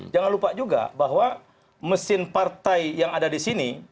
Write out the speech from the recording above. jangan lupa juga bahwa mesin partai yang ada disini